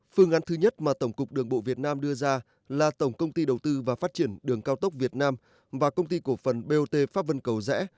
phương án thứ nhất mà tổng cục đường bộ việt nam đưa ra là tổng công ty đầu tư và phát triển đường cao tốc việt nam và công ty cổ phần bot pháp vân cầu rẽ